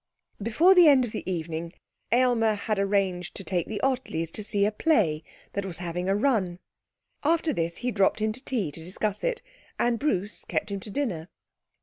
Before the end of the evening Aylmer had arranged to take the Ottleys to see a play that was having a run. After this he dropped in to tea to discuss it and Bruce kept him to dinner.